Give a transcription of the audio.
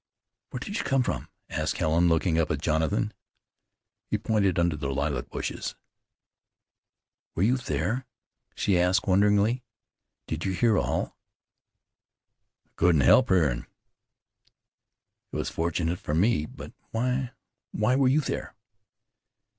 "Where did you come from?" asked Helen, looking up at Jonathan. He pointed under the lilac bushes. "Were you there?" she asked wonderingly. "Did you hear all?" "I couldn't help hearin'." "It was fortunate for me; but why why were you there?"